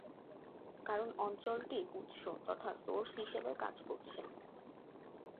কারণ অঞ্চলটি উৎস তথা সোর্স হিসেবে কাজ করছে।